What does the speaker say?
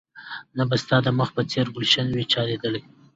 نه به ستا د مخ په څېر ګلش وي چا ليدلى